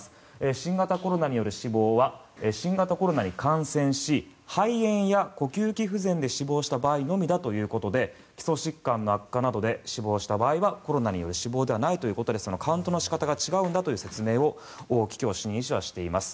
新型コロナによる死亡は新型コロナに感染し肺炎や呼吸器不全で死亡した場合のみだということで基礎疾患の悪化などで死亡した場合はコロナによる死亡ではないということでカウントの仕方が違うんだという説明をオウ・キキョウ主任医師はしています。